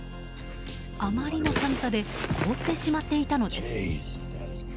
あまりの寒さで凍ってしまっていたのです。